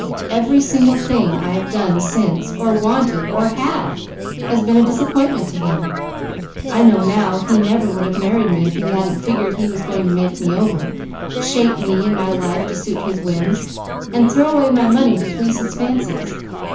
Every single thing I have done since, or wanted or had, has been a disappointment to him. I know now he never would have married me, if he hadn't figured he was going to make me over; shape me and my life to suit his whims, and throw away my money to please his fancies.